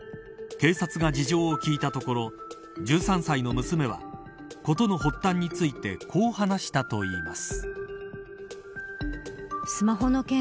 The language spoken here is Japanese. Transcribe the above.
警察が事情を聴いたところ１３歳の娘は事の発端についてこう話したといいます。